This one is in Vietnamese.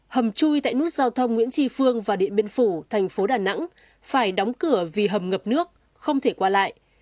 hầm chui tại nút giao thông nguyễn tri phương và điện biên phủ thành phố đà nẵng phải đóng cửa vì hầm ngập nước không thể qua lại